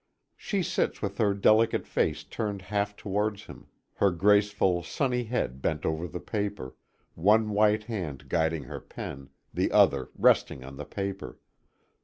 She sits with her delicate face turned half towards him, her graceful, sunny head bent over the paper, one white hand guiding her pen, the other resting on the paper.